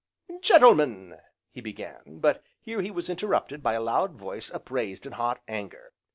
"Gentlemen!" he began, but here he was interrupted by a loud voice upraised in hot anger.